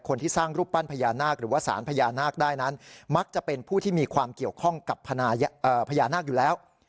คนที่สร้างรูปปั้นพญานาคหรือว่าสารพญานาคได้นั้นมักจะเป็นผู้ที่มีความเกี่ยวข้องกับพญานาคอยู่แล้ว